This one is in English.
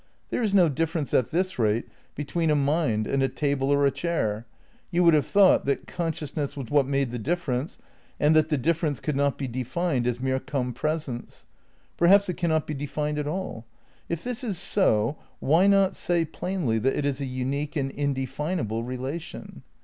There is no difference at this rate between a mind and a table or a chair. You would have thought that consciousness was what made the difference, and that the difference could not be defined as mere compresence. Perhaps it cannot be defined at all. If this is so, why not say plainly that it is a unique and indefinable relation?